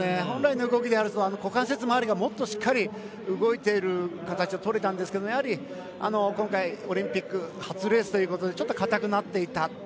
本来の動きであれば股関節回りがもっとしっかり動いている形をとれたんですけどやはり今回、オリンピック初レースということで硬くなっていた。